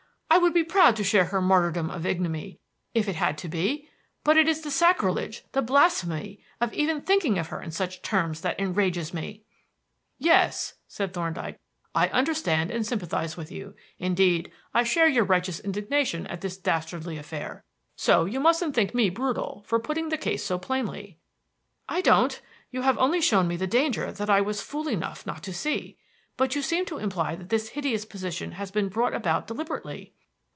I would be proud to share her martyrdom of ignominy, if it had to be; but it is the sacrilege, the blasphemy of even thinking of her in such terms that enrages me." "Yes," said Thorndyke; "I understand and sympathize with you. Indeed, I share your righteous indignation at this dastardly affair. So you mustn't think me brutal for putting the case so plainly." "I don't. You have only shown me the danger that I was fool enough not to see. But you seem to imply that this hideous position has been brought about deliberately."